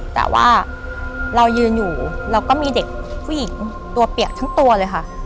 แต่ว่าเรายืนอยู่เราก็มีเด็กผู้หญิงตัวเปียกทั้งตัวเลยค่ะ